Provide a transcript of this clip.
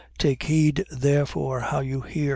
8:18. Take heed therefore how you hear.